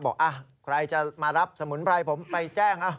บอกใครจะมารับสมุนไพรผมไปแจ้ง